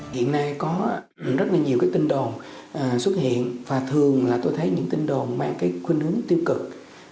hiện nay có rất nhiều tin đồn xuất hiện và thường tôi thấy những tin đồn mang khuyến hướng tiêu cực